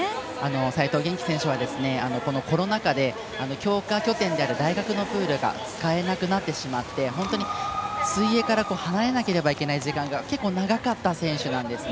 齋藤元希選手はコロナ禍で強化拠点である大学のプールが使えなくなってしまって本当に水泳から離れなければいけない時間が結構、長かった選手なんですね。